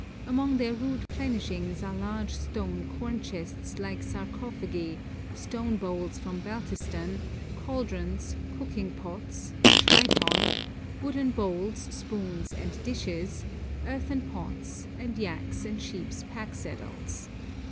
Among their rude plenishings are large stone corn chests like sarcophagi, stone bowls from Baltistan, cauldrons, cooking pots, a tripod, wooden bowls, spoons, and dishes, earthen pots, and yaks' and sheep's packsaddles.